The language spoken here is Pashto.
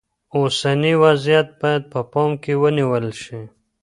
اوسنی وضعیت باید په پام کې ونیول شي.